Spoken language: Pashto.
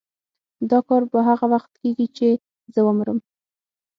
دا کار به هغه وخت کېږي چې زه ومرم.